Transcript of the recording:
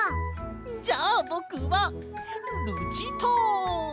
じゃあぼくはルチタン！